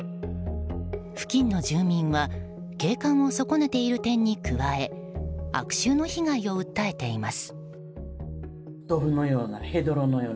付近の住民は景観を損ねている点に加え悪臭の被害を訴えています。